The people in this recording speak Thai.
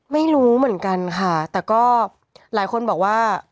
ไม่รู้เหมือนกันค่ะแต่ก็หลายคนบอกว่า